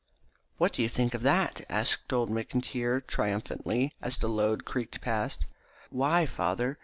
"What do you think of that?" asked old McIntyre triumphantly as the load creaked past. "Why, father?